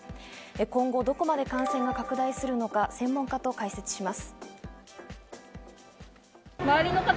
今後どこまで感染が拡大していくのか専門家と解説します。